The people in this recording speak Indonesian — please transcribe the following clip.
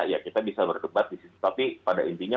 ya kita bisa berdebat di situ tapi pada intinya